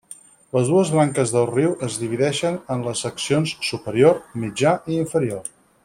Les dues branques del riu es divideixen en les seccions superior, mitja i inferior.